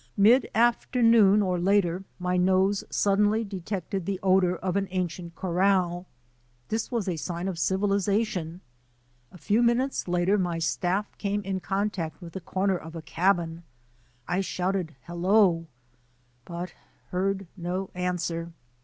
Mid afternoon, or later, my nose suddenly de tected the odour of an ancient corral. This was a sign of civilization. A few minutes later my staff came in contact with the corner of a cabin. J shouted " Hello !" but heard no answer.